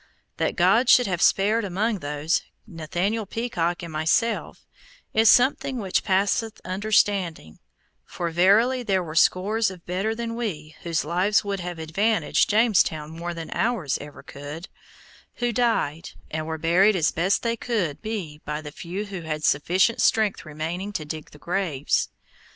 That God should have spared among those, Nathaniel Peacock and myself, is something which passeth understanding, for verily there were scores of better than we whose lives would have advantaged Jamestown more than ours ever can, who died and were buried as best they could be by the few who had sufficient strength remaining to dig the graves.